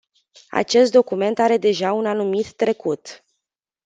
Acest document are deja un anumit trecut.